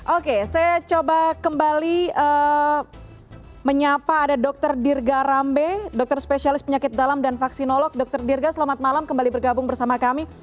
oke saya coba kembali menyapa ada dr dirga rambe dokter spesialis penyakit dalam dan vaksinolog dr dirga selamat malam kembali bergabung bersama kami